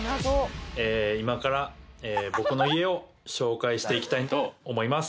今から僕の家を紹介していきたいと思います。